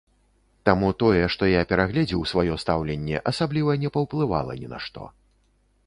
Таму тое, што я перагледзеў сваё стаўленне, асабліва не паўплывала ні на што.